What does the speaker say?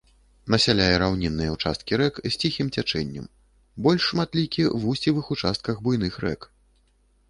Насяляе раўнінныя ўчасткі рэк з ціхім цячэннем, больш шматлікі ў вусцевых участках буйных рэк.